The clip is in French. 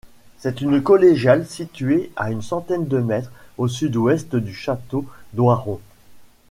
C'est une collégiale située à une centaine de mètres au sud-ouest du château d'Oiron.